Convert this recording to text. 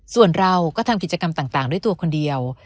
ส่วนเราก็ทำกิจกรรมต่างด้วยตัวคนเดียว